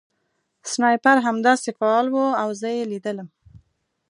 سنایپر همداسې فعال و او زه یې لیدلم